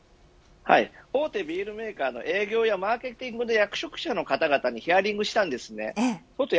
大手ビールメーカーの営業やマーケティングで役職者の方々にヒアリングをしました。